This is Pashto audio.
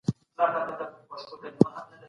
ملتونه ولي د وګړو شخصي حریم ساتي؟